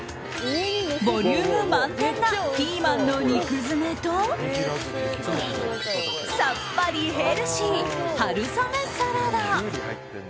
ボリューム満点なピーマンの肉詰めとさっぱりヘルシー、春雨サラダ。